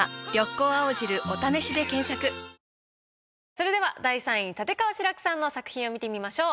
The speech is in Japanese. それでは第３位立川志らくさんの作品を見てみましょう。